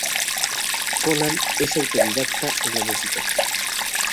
Conan es autodidacta en la música.